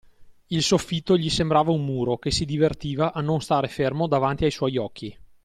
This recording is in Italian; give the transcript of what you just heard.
Il soffitto gli sembrava un muro che si divertiva a non stare fermo davanti ai suoi occhi.